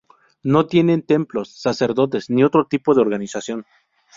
No tienen templos, sacerdotes ni otro tipo de organización.